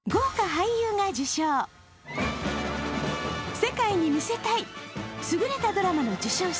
世界に見せたいすぐれたドラマの授賞式。